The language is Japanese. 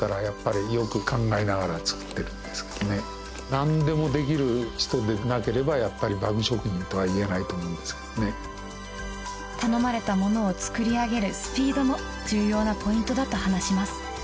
何でもできる人でなければやっぱり馬具職人とは言えないと思うんですけどね頼まれたものを作り上げるスピードも重要なポイントだと話します